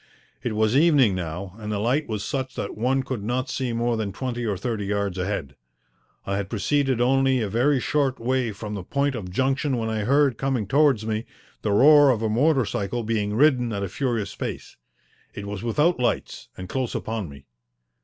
It was evening now and the light was such that one could not see more than twenty or thirty yards ahead. I had proceeded only a very short way from the point of junction when I heard, coming towards me, the roar of a motor cycle being ridden at a furious pace. It was without lights, and close upon me.